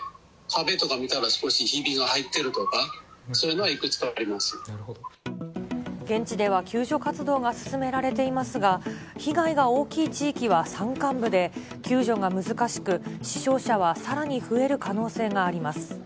細かく小刻みにがーっと動い現地では救助活動が進められていますが、被害が大きい地域は山間部で救助が難しく、死傷者はさらに増える可能性があります。